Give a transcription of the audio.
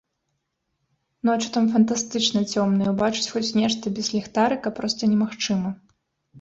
Ночы там фантастычна цёмныя, убачыць хоць нешта без ліхтарыка проста немагчыма.